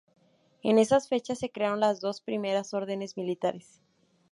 En esas fechas se crearon las dos primeras órdenes militares.